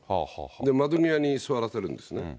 窓際に座らせるんですね。